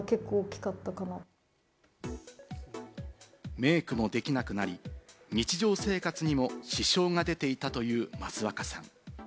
メークもできなくなり、日常生活にも支障が出ていたという益若さん。